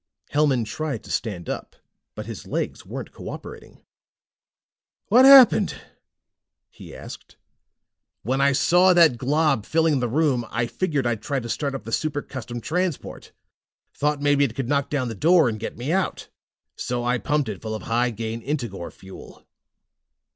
Hellman tried to stand up, but his legs weren't cooperating. "What happened?" he asked. "When I saw that glob filling the room, I figured I'd try to start up the Super Custom Transport. Thought maybe it could knock down the door and get me out. So I pumped it full of high gain Integor fuel."